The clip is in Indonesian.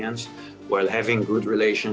dengan memiliki hubungan baik dengan israel